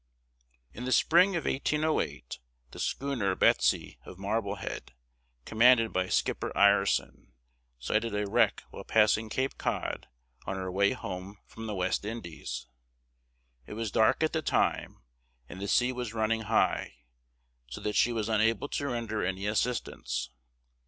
In the spring of 1808 the schooner Betsy, of Marblehead, commanded by "Skipper Ireson," sighted a wreck while passing Cape Cod on her way home from the West Indies. It was dark at the time, and the sea was running high, so that she was unable to render any assistance.